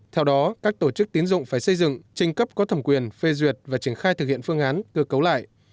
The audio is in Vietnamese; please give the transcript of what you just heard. theo đó các tổ chức tiến dụng phải xây dựng trình cấp có thẩm quyền phê duyệt và triển khai thực hiện phương án cơ cấu lại